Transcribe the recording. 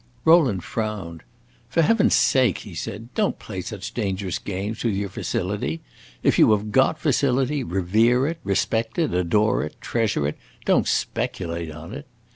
Rowland frowned. "For heaven's sake," he said, "don't play such dangerous games with your facility. If you have got facility, revere it, respect it, adore it, treasure it don't speculate on it."